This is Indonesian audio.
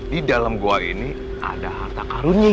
di dalam gua ini ada harta karuni